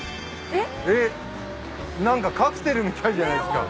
えっなんかカクテルみたいじゃないですか。